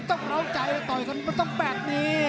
ต้องร้องใจต่อสนุกต้องแบบนี้